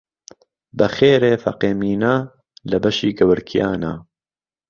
بە خێرێ فەقێ مینە لە بەشی گەورکیانە